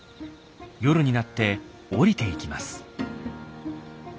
夜になって下りていきます。